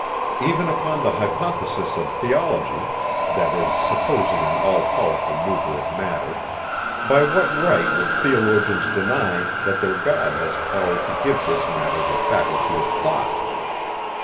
Even upon the hypothesis of theology, (that is, supposing an all powerful mover of matter,) by what right would theologians deny, that their God has power to give this matter the faculty of thought?